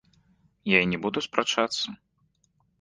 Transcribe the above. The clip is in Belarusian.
Я і не буду спрачацца.